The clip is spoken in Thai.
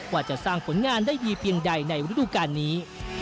ว่าจะสร้างผลงานได้ดีเพียงใดในฤดูการนี้